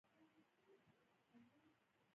د نهروان کانال څلور سوه فوټه سور درلود.